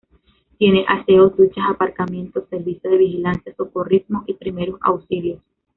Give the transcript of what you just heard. Tiene aseos, duchas, aparcamiento, servicio de vigilancia, socorrismo y primeros auxilios.